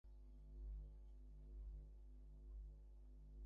New Bilton comprises mostly Victorian terraced housing.